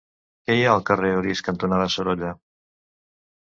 Què hi ha al carrer Orís cantonada Sorolla?